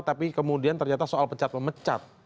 tapi kemudian ternyata soal pecat memecat